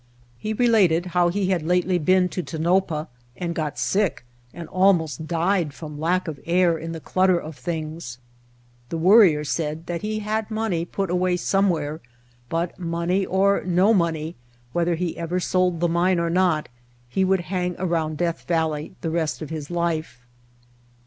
He related how he had lately been to Tonopah and got sick and almost died from lack of air in the clutter of things. The Worrier said that he had money put away somewhere, but money or no money, whether he ever sold the mine or not, [■OS] White Heart of Mojave he would hang around Death Valley the rest of his life.